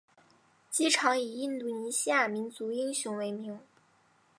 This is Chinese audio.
机场以印度尼西亚民族英雄为名。